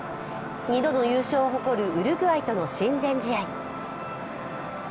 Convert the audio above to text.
２度の優勝を誇るウルグアイとの親善試合。